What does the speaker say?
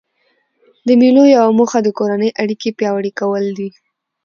د مېلو یوه موخه د کورنۍ اړیکي پیاوړي کول دي.